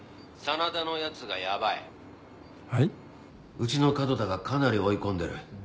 うちの門田がかなり追い込んでる。